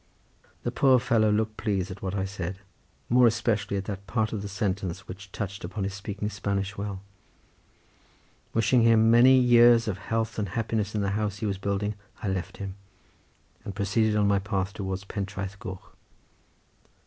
The poor fellow looked pleased at what I said, more especially at that part of the sentence which touched upon his speaking Spanish well. Wishing him many years of health and happiness in the house he was building, I left him, and proceeded on my path towards Pentraeth Coch.